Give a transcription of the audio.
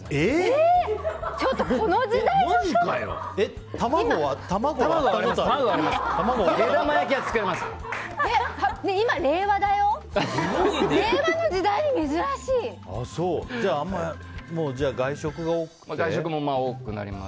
ちょっとこの時代の人？あります！